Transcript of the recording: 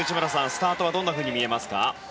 スタートはどんなふうに見えますか。